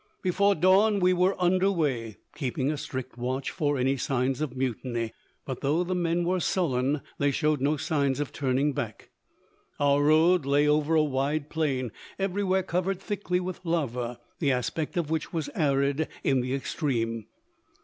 Before dawn we were under way, keeping a strict watch for any signs of mutiny. But, though the men were sullen, they showed no signs of turning back. Our road lay over a wide plain, everywhere covered thickly with lava, the aspect of which was arid in the extreme.